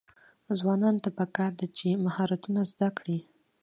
ځوانانو ته پکار ده چې، مهارتونه زده کړي.